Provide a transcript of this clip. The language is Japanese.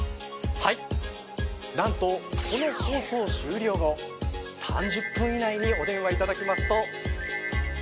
はいなんとこの放送終了後３０分以内にお電話いただきますとＱ